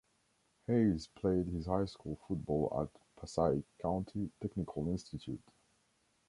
Hayes played his high school football at Passaic County Technical Institute.